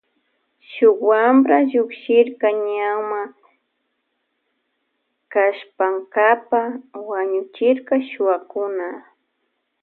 Shun wampra llukshirka ñanma kallpankapa wañuchirka shuwakuna.